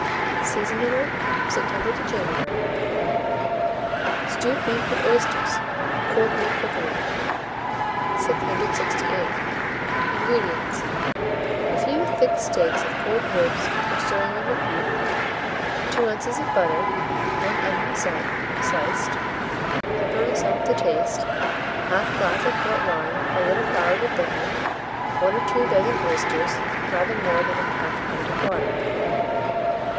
Seasonable from September to January. STEWED BEEF WITH OYSTERS (Cold Meat Cookery). 668. INGREDIENTS. A few thick steaks of cold ribs or sirloin of beef, 2 oz. of butter, 1 onion sliced, pepper and salt to taste, 1/2 glass of port wine, a little flour to thicken, 1 or 2 dozen oysters, rather more than 1/2 pint of water.